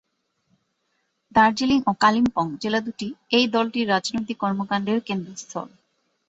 দার্জিলিং ও কালিম্পং জেলা দু’টি এই দলটির রাজনৈতিক কর্মকাণ্ডের কেন্দ্রস্থল।